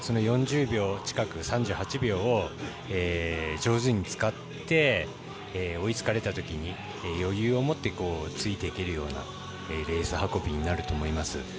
４０秒近く３８秒を上手に使って追いつかれたときに余裕を持ってついていけるようなレース運びになると思います。